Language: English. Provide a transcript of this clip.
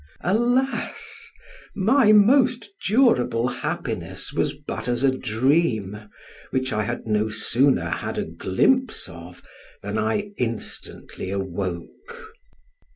Alas! my most durable happiness was but as a dream, which I had no sooner had a glimpse of, than I instantly awoke.